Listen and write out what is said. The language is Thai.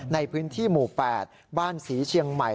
ในพื้นที่หมู่๘บ้านศรีเชียงใหม่